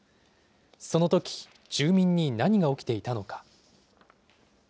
そのとき、住民に何が起きていたのか。